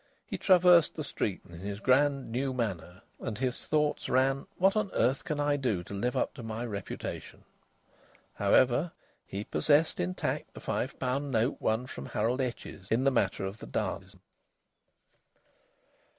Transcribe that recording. He traversed the streets in his grand, new manner, and his thoughts ran: "What on earth can I do to live up to my reputation?" However, he possessed intact the five pound note won from Harold Etches in the matter of the dance.